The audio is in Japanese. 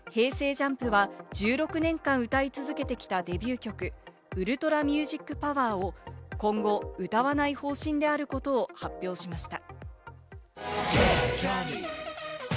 ＪＵＭＰは１６年間歌い続けてきたデビュー曲『ＵｌｔｒａＭｕｓｉｃＰｏｗｅｒ』を今後、歌わない方針であることを発表しました。